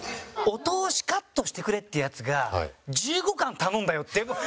「“お通しカットしてくれ”って言うヤツが１５貫頼んだよ」って俺は思うよね。